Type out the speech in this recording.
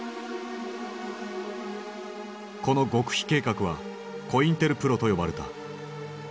この極秘計画は「コインテルプロ」と呼ばれた。